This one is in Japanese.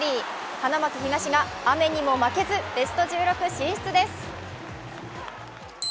花巻東が雨にも負けずベスト１６進出です。